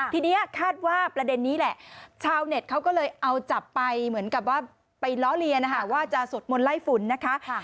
ทีนี้คาดว่าประเด็นนี้แหละชาวเน็ตเขาก็เลยเอาจับไปเหมือนกับว่าไปล้อเลียนนะคะว่าจะสวดมนต์ไล่ฝุ่นนะคะ